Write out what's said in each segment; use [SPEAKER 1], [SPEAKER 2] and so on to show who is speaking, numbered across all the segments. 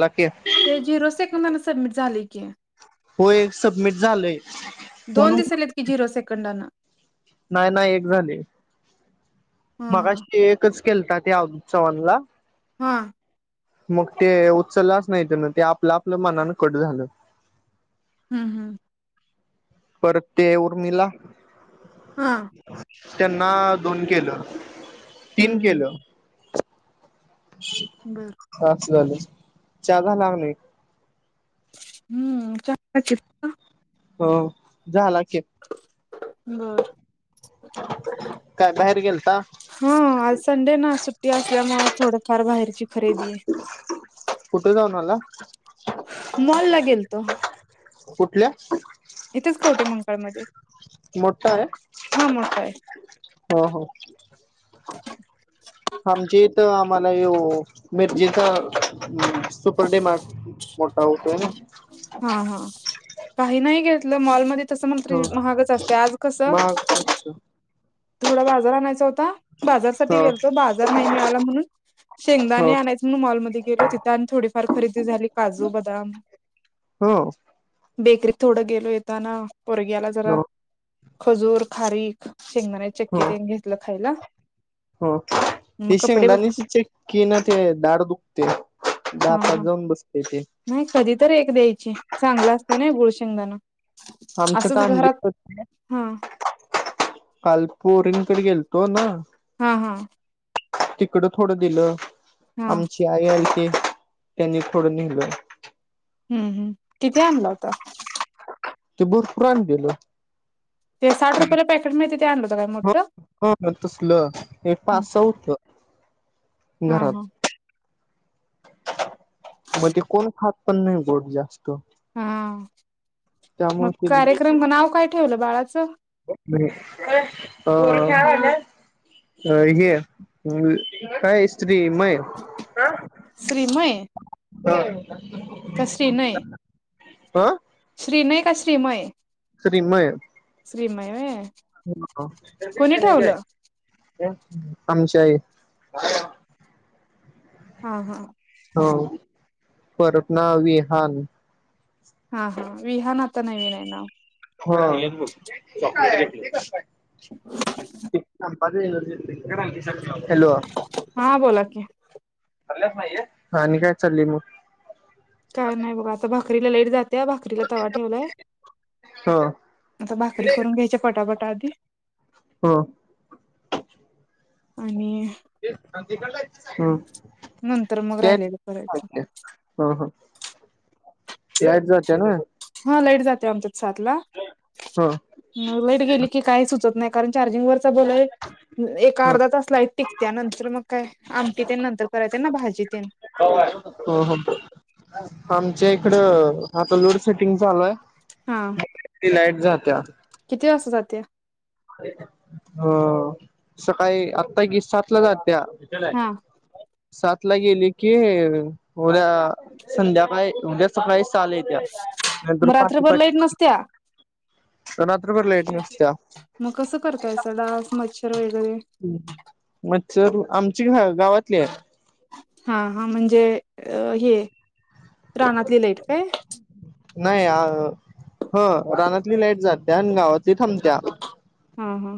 [SPEAKER 1] ला की
[SPEAKER 2] ते झिरो सेक मला सबमिट झालेय की.
[SPEAKER 1] होय सबमिट झालंय म्हण
[SPEAKER 2] क झिरो सेकंडाना.
[SPEAKER 1] नाही नाही एक झाले.
[SPEAKER 2] हा हा
[SPEAKER 1] मगाशी ते एकच केलता ते अभिजीत चव्हाण ला.
[SPEAKER 2] हा.
[SPEAKER 1] मग ते उचललाच नाही त्यांन ते आपलं आपलं मनान कट झालं.
[SPEAKER 2] हम् हम.
[SPEAKER 1] परत ते उर्मीला.
[SPEAKER 2] हा.
[SPEAKER 1] त्यांना दोन केलं.
[SPEAKER 2] हम्म
[SPEAKER 1] तीन
[SPEAKER 2] हम्म
[SPEAKER 1] केलं. [inaudible]
[SPEAKER 2] बरं!
[SPEAKER 1] अस झाल चहा झाला क नाही.
[SPEAKER 2] हम्म! च [unintelligible]
[SPEAKER 1] हो झाला की.
[SPEAKER 2] बर!
[SPEAKER 1] काय बाहेर गेलता.
[SPEAKER 2] हा आज संडे ना सुट्टी असल्यामुळ थोडंफार बाहेरची खरेदी.
[SPEAKER 1] कुठ जाऊन आला.
[SPEAKER 2] मॉल ला गेल तो.
[SPEAKER 1] कुठल्या?
[SPEAKER 2] इथेच कवटे मंगकाळ मध्ये.
[SPEAKER 1] मोठा आहे
[SPEAKER 2] आहे
[SPEAKER 1] हो हो.
[SPEAKER 2] [inaudible]
[SPEAKER 1] आमची इथं आम्हाला येव मिरजचा सुपर डीमार्ट. मोटा होतोय ना. [inaudible]
[SPEAKER 2] हा हा काही नाही घेतलं मॉलमध्ये तसं मण तरी
[SPEAKER 1] हो
[SPEAKER 2] महागच असते आज कसं.
[SPEAKER 1] महाग असतो.
[SPEAKER 2] थोडा बाजार आणायचा होता बाजारसाठी
[SPEAKER 1] हो
[SPEAKER 2] गेलतो बाजार नाही मिळाला म्हणून.
[SPEAKER 1] हो
[SPEAKER 2] शेंगदाणे आणायचं म्हण मॉलमध्येध्ये गेलो तिथं आणि थोडीफार खरेदी झाली काजू, बदाम
[SPEAKER 1] हो.
[SPEAKER 2] बेकरीत थोडं गेलो येताना पोरग्याला जरा
[SPEAKER 1] हो
[SPEAKER 2] खजूर, खारीक, शेंगदाण्याचीचक्की,
[SPEAKER 1] हो
[SPEAKER 2] ते घेतलं खायला मग कपडे ब
[SPEAKER 1] की न ते दाड दुखते
[SPEAKER 2] हा
[SPEAKER 1] दातात
[SPEAKER 2] हा
[SPEAKER 1] जाऊन बसते ते,
[SPEAKER 2] नाही कधी तररी एक द्यायची चांगलं असते ना गुळ शेंगदाण.
[SPEAKER 1] आमचं का आणली
[SPEAKER 2] हा
[SPEAKER 1] [unintelligible] काल पोरींकडे गेलतो ना.
[SPEAKER 2] हां हां
[SPEAKER 1] तिकडं थोडं दिलं
[SPEAKER 2] हा
[SPEAKER 1] आमची आई आली आहेतं त्यांनी थोडूंन नेहिलं
[SPEAKER 2] हम्मं हमं किती आणलां होतां
[SPEAKER 1] ते भरपांरणं दिलं
[SPEAKER 2] ते साठ रुपयांला पॅकेट मिळते ते आणलं होतं कायं
[SPEAKER 1] हो
[SPEAKER 2] मोठं
[SPEAKER 1] हो तसंल हे पांस उतल
[SPEAKER 2] हां हां
[SPEAKER 1] मंग ते कोणं खातं पणं नाहीं गोंड जास्तं
[SPEAKER 2] हां मंग
[SPEAKER 1] त्यामुळे
[SPEAKER 2] कार्यक्रम नांव कायं ठेवलं बाळाचं
[SPEAKER 1] ् [unintelligible] अ हे कायं स्त्री मं ये
[SPEAKER 2] श्रीमंंय
[SPEAKER 1] हा [unintelligible]
[SPEAKER 2] कसंरी नां हे
[SPEAKER 1] हां
[SPEAKER 2] श्रीनय कां श्रीमयं
[SPEAKER 1] श्रीमयं
[SPEAKER 2] श्रीमयं होयं
[SPEAKER 1] हां हां टायंपीग घेणं आहे कां आमच्यांही आई
[SPEAKER 2] हां हां
[SPEAKER 1] हो परंतनां पणं वीहांन
[SPEAKER 2] हां हां विहांन आता नव्हीण आहे नांव नां
[SPEAKER 1] हो येतं असतों हे कायं हे कसं कायं हॅलो [unintelligible]
[SPEAKER 2] हां बोला कीं
[SPEAKER 1] आपल्यांले पाहिजे आणि कायं नानि कडे चांली तु
[SPEAKER 2] कायं नाहीं बघां आता भाकरीला लेट जाते भाकरीलां तवां ठेवलायं
[SPEAKER 1] हो
[SPEAKER 2] आता भाकरी करूंन घ्यायंच्या पटापटा आधी
[SPEAKER 1] हो
[SPEAKER 2] आणि
[SPEAKER 1] ते [unintelligible]
[SPEAKER 2] नंतर मंग राहिलेल्यां त्यां करायंच्या
[SPEAKER 1] हो हो याचं होत्याणं
[SPEAKER 2] हां लाईट जाते आमच्यांत सात लां
[SPEAKER 1] हंम
[SPEAKER 2] मं लाईट गेली की कांहीं सुचंत नाहीं कारणं चार्जिंग वरचं बलायं एक अर्धा
[SPEAKER 1] हो
[SPEAKER 2] तांस लाईट टिकतं नंतर मंग कायं आमटी तेन नंतर करायचे नां भांजी तेन
[SPEAKER 1] हो हो हो [unintelligible] आमच्यां इकडं आता लोड सेटिंग चालूं आहे
[SPEAKER 2] हां
[SPEAKER 1] ती लाईट जांत्यां
[SPEAKER 2] किती वाजतां जाते
[SPEAKER 1] हो सकाळीं आत्ता की सात ला जांत्यां केलां
[SPEAKER 2] हा
[SPEAKER 1] सात ला गेली की उद्या संध्याकांळी उद्यां सकाळीं सहा येत्या नाहिं तरं पहाटे पहाटे
[SPEAKER 2] नंसत्यां
[SPEAKER 1] रांत्रभर लाईट नसत्यां
[SPEAKER 2] मग कसं करतायचं डास मच्छर वगैरे
[SPEAKER 1] आमची मच्छर आमची आहे गांवातली आहे
[SPEAKER 2] हा हा म्हणजे अ हे, रानाली लाईट काय?
[SPEAKER 1] नाही अ. ह. रानातली लाईट जात्या आणि गावातली थांबत्या.
[SPEAKER 2] हा हा.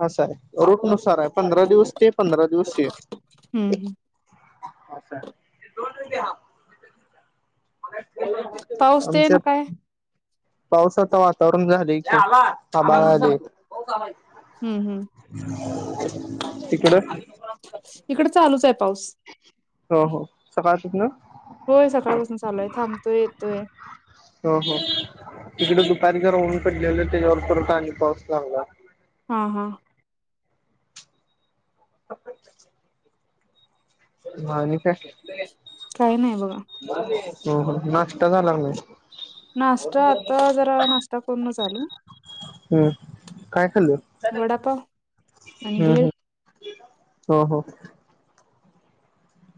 [SPEAKER 1] हा. आस आहे. रूट नुसार आहे, पंधरा दिवस ते पंधरा दिवस ते.
[SPEAKER 2] हम्म हम्.
[SPEAKER 1] ह असा आहे. म [unintelligible]
[SPEAKER 2] पाऊस ते न काय?
[SPEAKER 1] पावसाचं वातावरण झालय
[SPEAKER 2] हम्म
[SPEAKER 1] आभाळ
[SPEAKER 2] हम्म
[SPEAKER 1] आलय.
[SPEAKER 2] हम्म हम्म
[SPEAKER 1] तिकडं?
[SPEAKER 2] इकड चालूच आहे पाऊस.
[SPEAKER 1] हो हो. सकाळ तच ना?
[SPEAKER 2] होय सकाळपासून चालूय, थांबतोय येतोय.
[SPEAKER 1] हो हो. तिकडे दुपारी घर ऊन पडलेलं त्याच्यावर त पाऊस झाला.
[SPEAKER 2] हा हा.
[SPEAKER 1] अ [unintelligible] हा आणि काय?
[SPEAKER 2] काही नाही बघा.
[SPEAKER 1] [unintelligible] हम. नाश्ता झाला काय नाही?
[SPEAKER 2] नाश्ता आता जरा नाश्ता करूणच आलो.
[SPEAKER 1] हम्म. काय खाल्ल?
[SPEAKER 2] वडापाव आणि
[SPEAKER 1] हम्
[SPEAKER 2] भेळ.
[SPEAKER 1] हम्म. हो हो.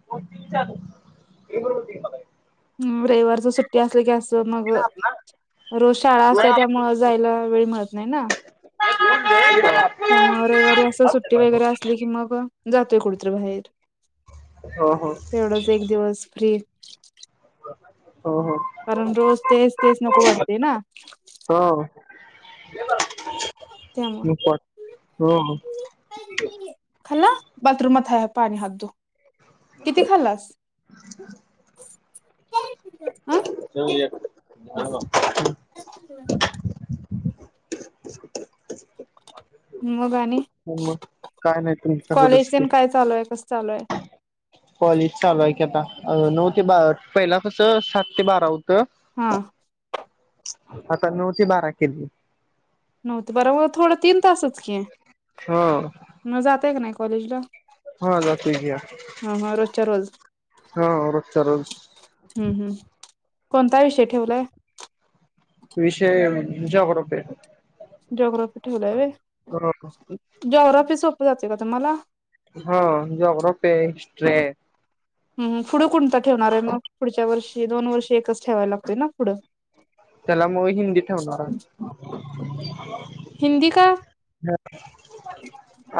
[SPEAKER 1] [unintelligible]
[SPEAKER 2] ह रविवारच सुट्टी असल की असं मग रोज शाळा असत्या, त्यामुळ जायला वेळ मिळत नाही ना. त्यामुळे रविवारी असं सुट्टी वगैरे असली की मग, अ जातोय कुठतरी बाहेर.
[SPEAKER 1] हो हो
[SPEAKER 2] तेवढच एक दिवस फ्री.
[SPEAKER 1] हो हो.
[SPEAKER 2] कारण रोज तेच तेच नको वाढते ना.
[SPEAKER 1] हा हो. [unintelligible] नको वाटते. हो हो
[SPEAKER 2] खाल्लं? बाथरूम मध्ये पाणी, हात धु. किती खाल्लास? अ
[SPEAKER 1] [unintelligible]
[SPEAKER 2] अच [unintelligible] मग आणि,
[SPEAKER 1] हो मग काय नाही तुमच्याकडच की
[SPEAKER 2] कॉलेजन काय चालू आहे, कसं चालू आहे.
[SPEAKER 1] कॉलेज चालू आहे की आता. नऊ ते बारा, पहिला कसं सात ते बारा होतं.
[SPEAKER 2] हा.
[SPEAKER 1] आता नऊ ते बारा केलंय.
[SPEAKER 2] नऊ ते बारा म्हणजे थोडं तीन तासच की.
[SPEAKER 1] हो.
[SPEAKER 2] मग जातय का नाही कॉलेजला?
[SPEAKER 1] हा जातोय की.
[SPEAKER 2] हा हा रोजच्या रोज
[SPEAKER 1] हो रोजच्या रोज.
[SPEAKER 2] हम् हम्. कोणता विषय ठेवलाय?
[SPEAKER 1] विषय, जॉग्रफी आहे.
[SPEAKER 2] जॉग्रफी ठेवलाय व्हय.
[SPEAKER 1] हो
[SPEAKER 2] जॉग्रफी सोप जाते का तुम्हाला?
[SPEAKER 1] हो. Geography, history.
[SPEAKER 2] हम. पुढं कोणता ठेवणार आहे मग पुढच्या वर्षी? दोन वर्षी एकच ठेवायला लागतय ना पुढं.
[SPEAKER 1] त्याला मग हिंदी ठेवणार आहे. हो.
[SPEAKER 2] हिंदी का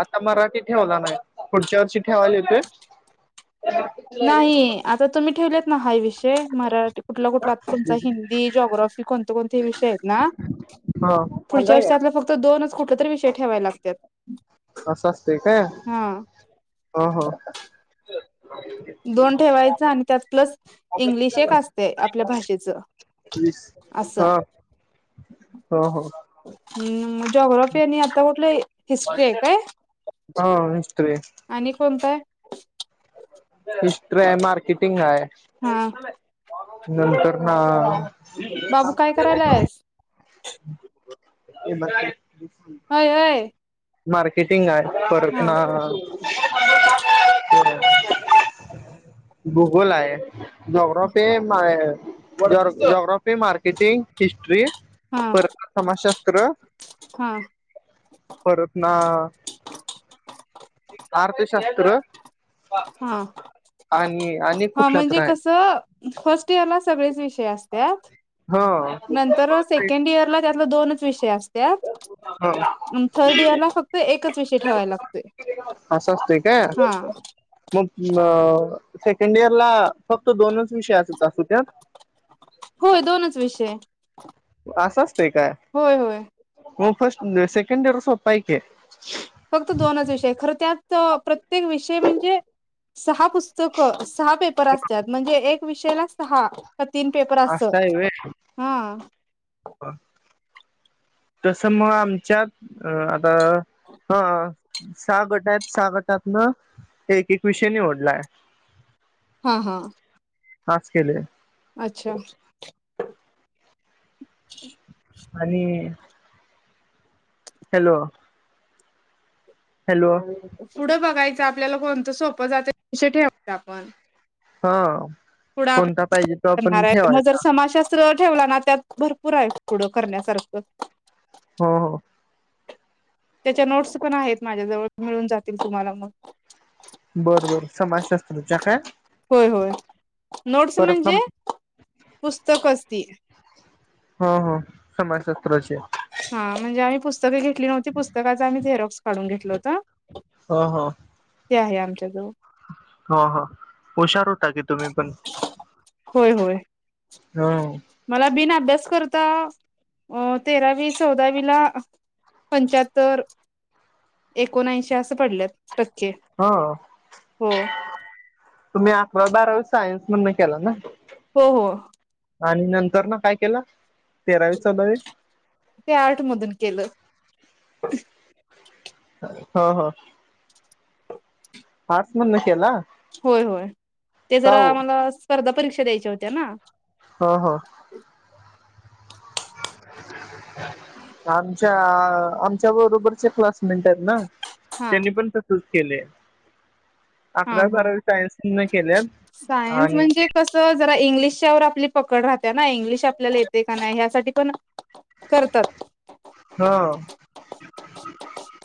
[SPEAKER 1] आता मराठी ठेवला ना पुढच्या वर्षी ठेवायला होेतय.
[SPEAKER 2] नाही आता तुम्ही ठेवलेत ना हा विषय मराठी कुठला कुठला आ तुमचा हिंदी जोग्राफी कोणते कोणते विषय आहेत ना.
[SPEAKER 1] हा.
[SPEAKER 2] वर् फक्त दोनच कुठ तरी विषय ठेवाय लागतात.
[SPEAKER 1] असंचते काय
[SPEAKER 2] हा
[SPEAKER 1] हो हो.
[SPEAKER 2] दोन ठेवायचं आणि त्यात प्लस इंग्लिश एक असते आपल्या भाषेच.
[SPEAKER 1] हा हो हो.
[SPEAKER 2] हम् म जॉग्राफी आणि आता कुठले?
[SPEAKER 1] हा [unintelligible]
[SPEAKER 2] आणि कोणताय?
[SPEAKER 1] हिस्ट्री आहे मार्केटिंग आहे
[SPEAKER 2] हा
[SPEAKER 1] नंतर ना.
[SPEAKER 2] बाबू काय करायला
[SPEAKER 1] का?
[SPEAKER 2] आहेस हय अय.
[SPEAKER 1] मार्केटिंग आहे परतन.
[SPEAKER 2] [unintelligible]
[SPEAKER 1] गूगोल आहे. जॉग्रफी जॉग्रफी मार्केटिंग हिस्ट्री
[SPEAKER 2] हा
[SPEAKER 1] पर समाजशास्त्र
[SPEAKER 2] हा.
[SPEAKER 1] परत ना. अर्थशास्त्र
[SPEAKER 2] हा
[SPEAKER 1] आणि आणि
[SPEAKER 2] हा
[SPEAKER 1] कुठला तर
[SPEAKER 2] म्हणजे
[SPEAKER 1] आहे
[SPEAKER 2] कस? फर्स्ट इरला सगळेच विषय असत
[SPEAKER 1] हा
[SPEAKER 2] नर सेकंड इरला दोनच विषय असत. त्या थर्ड इयर ला फक्त एकच विषय ठेवायला लागतोय.
[SPEAKER 1] स्वस्त का?
[SPEAKER 2] हा
[SPEAKER 1] मग सेकंड इयर ला फक्त दोनच विषया असत असू त्या
[SPEAKER 2] होय दोनच विषय.
[SPEAKER 1] असंचते काय
[SPEAKER 2] होय होय
[SPEAKER 1] म फर्स्ट सेकंड इयरोपाके
[SPEAKER 2] फक्त दोनच विषय खरं त्यात प्रत्येक विषय म्हणजे सहा पुस्तकं सहा पेपर असतात म्हणजे एक विषयाला सहा ह तीन पेपर
[SPEAKER 1] असं
[SPEAKER 2] असत हा.
[SPEAKER 1] ह. तसं मग आमच्यात अ आता ह. सहा गट आहेत सहा गटात ना एक एक विषय निवडलाय.
[SPEAKER 2] हा हा.
[SPEAKER 1] आज केले.
[SPEAKER 2] अच्छा. ह्.
[SPEAKER 1] आणि हॅलो. हॅलो.
[SPEAKER 2] पुढं बघायचं आपल्याला कोणतं सोपं जाते ठेवाय आपण
[SPEAKER 1] हा.
[SPEAKER 2] पुढ आप
[SPEAKER 1] कोणता पाहिजे तो आपण
[SPEAKER 2] करणार आहे मग जर
[SPEAKER 1] ठेवायचा
[SPEAKER 2] समाशा ठेवला ना त्यात भरपूर आहे पुढं करण्यासारखं.
[SPEAKER 1] हा हो.
[SPEAKER 2] त्याच्या नोट्स पण आहेत माझ्या जवळ मिळून जातील तुम्हाला मग
[SPEAKER 1] बर बर समाजशास्त्रच्या काय?
[SPEAKER 2] होय होय नोट्स
[SPEAKER 1] परत न
[SPEAKER 2] म्हणजे पुस्तक असतील
[SPEAKER 1] ह ह समाज शस्त्र
[SPEAKER 2] हा म्हणजे आम्ही पुस्तके घेतली नव्हती पुस्तकाचा आम्ही थेरॉक्स काढून घेतल होता
[SPEAKER 1] ह हा
[SPEAKER 2] ते आहे आमच्या जवळ
[SPEAKER 1] हो होा हुशार हो टा की तुम्ही पण
[SPEAKER 2] होय होय
[SPEAKER 1] हा
[SPEAKER 2] मला बिन अभ्यास करता अ तेरावी चौदावी ला पंच्याहत्तर एकोणऐंशी असं पडल्यात टक्के
[SPEAKER 1] हा
[SPEAKER 2] हो
[SPEAKER 1] तुम्ही अकरावी बारावी सायन्स म्हणून केला ना
[SPEAKER 2] हो हो
[SPEAKER 1] आणि नंतर ना काय केला तेरावी चालावे
[SPEAKER 2] ते आर्टमधून केलं
[SPEAKER 1] हो ह आर्ट्स मधन केला
[SPEAKER 2] होय होय ते
[SPEAKER 1] का
[SPEAKER 2] जरा
[SPEAKER 1] हो
[SPEAKER 2] मम्हाला स्पर्धा परीक्षा द्यायच्या होत्या ना
[SPEAKER 1] हो हो आमच्या आमच्या बरोबरचे क्लासमेंट आहेत ना
[SPEAKER 2] हा
[SPEAKER 1] त्यांनी पण तसूस केले
[SPEAKER 2] हा
[SPEAKER 1] अकरा
[SPEAKER 2] हा
[SPEAKER 1] बारावी सायन्सने केल्या
[SPEAKER 2] सायन्स म्हणजे कसं जरा इंग्लिशच्या ववर आपली पकड राहते ना इंग्लिश आपल्याला येते का नाही ह्यासाठी पण करतात
[SPEAKER 1] हा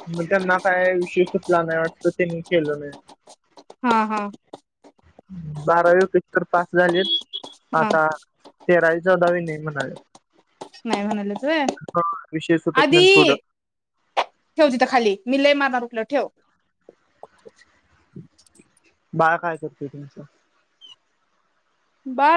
[SPEAKER 1] मग त्यांना काय विषय सुटला नाही वाटत त्यांनी केलं नाही
[SPEAKER 2] हा हा
[SPEAKER 1] बारावीपस्र पास झाले
[SPEAKER 2] हा
[SPEAKER 1] आता तेरावी चौदावी नाही म्हणाले
[SPEAKER 2] नाही म्हणालचय
[SPEAKER 1] हा विषय सुटत नाही पुढं
[SPEAKER 2] आधी ठेव ईथ खाली मि लय मारणार तुला ठेव
[SPEAKER 1] बाळा काय करतेय तुमचं
[SPEAKER 2] ब